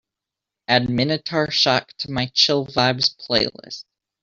add Minotaur Shock to my Chill Vibes playlist